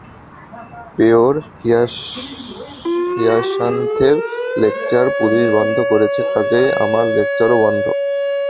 পেয়র হিয়াসান্থের lecture police বন্ধ করেছে, কাজেই আমার লেকচারও বন্ধ।